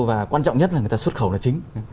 và quan trọng nhất là người ta xuất khẩu là chính